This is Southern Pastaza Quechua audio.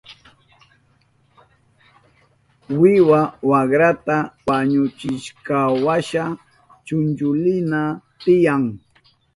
Wiwa wakrata wañuchishkanwasha chunchulinan tiyan.